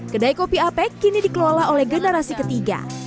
kedai kopi apek kini dikelola oleh generasi ketiga